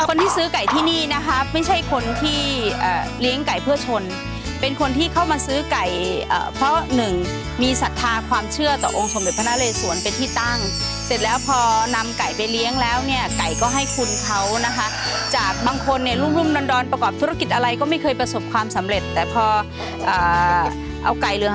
คนที่ซื้อไก่ที่นี่นะคะไม่ใช่คนที่เลี้ยงไก่เพื่อชนเป็นคนที่เข้ามาซื้อไก่เพราะหนึ่งมีศรัทธาความเชื่อต่อองค์สมเด็จพระนาเลสวนเป็นที่ตั้งเสร็จแล้วพอนำไก่ไปเลี้ยงแล้วเนี่ยไก่ก็ให้คุณเขานะคะจากบางคนเนี่ยรุ่มรุ่มดอนประกอบธุรกิจอะไรก็ไม่เคยประสบความสำเร็จแต่พอเอาไก่เหลือ